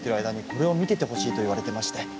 これを見ててほしいと言われてまして